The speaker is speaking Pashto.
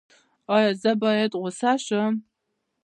ایا زه باید غوسه شم؟